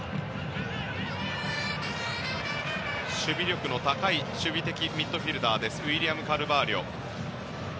守備力の高い守備的ミッドフィールダーのウィリアム・カルバーリョ。